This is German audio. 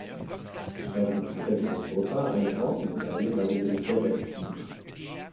Zwei Wochen später gewann Souza eine Bronzemedaille bei den Militärweltspielen.